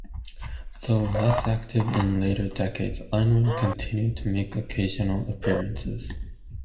Though less active in later decades, Unwin continued to make occasional appearances.